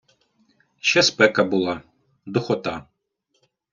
Ще спека була, духота.